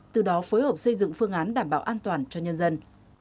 từ đó phối hợp xây dựng phương án đảm bảo an toàn cho nhân dân